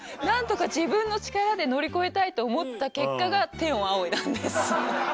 何とか自分の力で乗り越えたいと思った結果が天を仰いだんです。